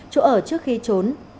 chỗ ở trước khi trốn